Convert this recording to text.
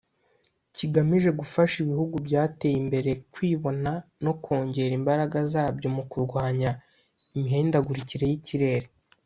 kigamije gufasha ibihugu byateye imbere kwibona no kongera imbaraga zabyo mu kurwanya imihindagurikire y’ikirere